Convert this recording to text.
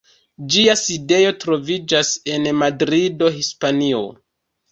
Ĝia sidejo troviĝas en Madrido, Hispanio.